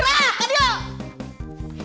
bangun bangun ya teh